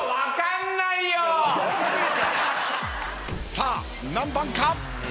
さあ何番か！？